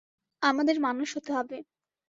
আমাদের মানুষ হতে হবে।